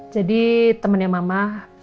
jadi temennya mama